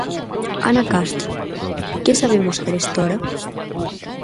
Ana Castro, que sabemos arestora?